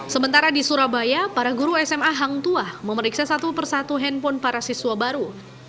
sementara di surabaya para guru sma hang tuah memeriksa satu persatu handphone para siswa baru